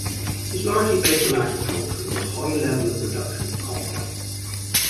It is largely based on agriculture with a high level production of copra.